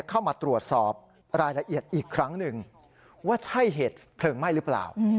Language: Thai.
เข้ามาตรวจสอบรายละเอียดอีกครั้งหนึ่งว่าใช่เหตุเพลิงไหม้หรือเปล่า